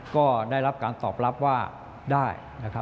ก็ได้รับการตอบรับว่าได้